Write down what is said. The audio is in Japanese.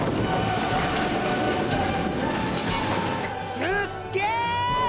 すっげえ！